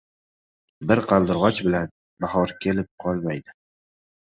• Bir qaldirg‘och bilan bahor kelib qolmaydi.